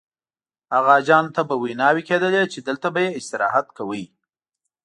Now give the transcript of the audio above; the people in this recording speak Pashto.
هغه حاجیانو ته به ویناوې کېدلې چې دلته به یې استراحت کاوه.